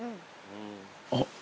あっ！